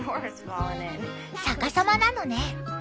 逆さまなのね。